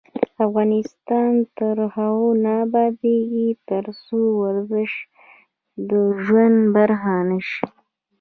افغانستان تر هغو نه ابادیږي، ترڅو ورزش د ژوند برخه نشي.